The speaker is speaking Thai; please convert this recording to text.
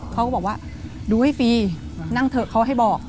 เขาก็บอกว่าดูให้ฟรีนั่งเถอะเขาให้บอก